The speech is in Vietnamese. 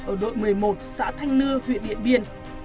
ở đội một mươi một xã thanh nưa huyện điện biên